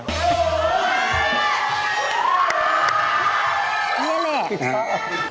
เหมือนกัน